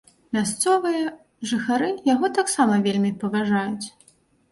Мясцовыя жыхары яго таксама вельмі паважаюць.